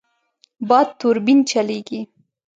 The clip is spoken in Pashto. باد توربین چلېږي.